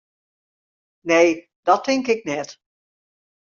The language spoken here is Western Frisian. Nee, dat tink ik net.